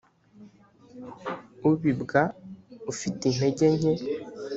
ubibwa ufite intege nke